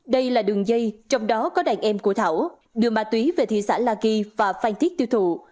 đây là đường dây trong đó có đàn em của thảo đưa ma túy về thị xã la ghi và phan thiết tiêu thụ